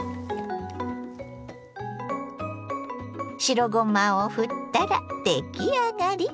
白ごまをふったら出来上がり！